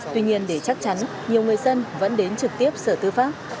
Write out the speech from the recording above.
tuy nhiên để chắc chắn nhiều người dân vẫn đến trực tiếp sở tư pháp